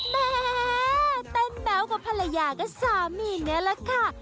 แม่เต้นแม้วกับภรรยาก็สามีนี่แหละค่ะ